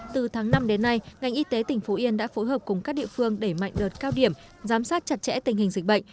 từ tháng năm đến nay ngành y tế tỉnh phú yên đã phối hợp cùng các địa phương để mạnh đợt cao điểm giám sát chặt chẽ tình hình dịch bệnh